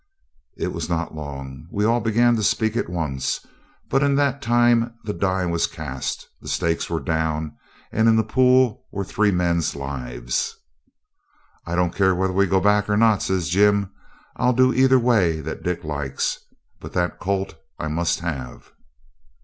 It was not long. We all began to speak at once. But in that time the die was cast, the stakes were down, and in the pool were three men's lives. 'I don't care whether we go back or not,' says Jim; 'I'll do either way that Dick likes. But that colt I must have.'